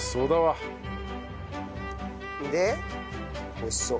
美味しそう。